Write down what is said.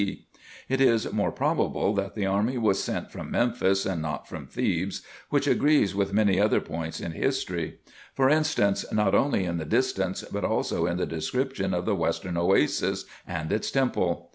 And it is more probable that the army was sent from Memphis, and not from Thebes, which agrees with many other points in history ; for instance, not only in the distance, but also in the description of the western Oasis and its temple.